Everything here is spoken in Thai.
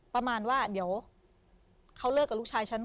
ประมาณว่าเดี๋ยวเขาเลิกกับลูกชายฉัน